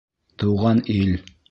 Тыуған ил!